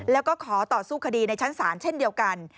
แล้วก็ขอต่อสู้คดีในชั้นศาลเช่นเดียวกัน